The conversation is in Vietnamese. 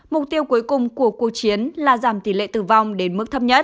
mục tiêu cuối cùng của cuộc chiến là giảm tỷ lệ tử vong đến mức thấp nhất